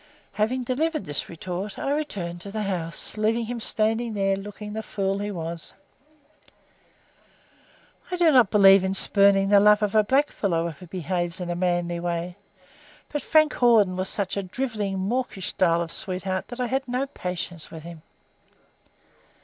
Having delivered this retort, I returned to the house, leaving him standing there looking the fool he was. I do not believe in spurning the love of a blackfellow if he behaves in a manly way; but Frank Hawden was such a drivelling mawkish style of sweetheart that I had no patience with him.